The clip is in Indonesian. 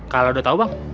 kalau udah tau bang